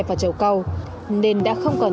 và chổ câu nên đã không còn